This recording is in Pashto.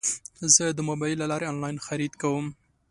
زه د موبایل له لارې انلاین خرید کوم.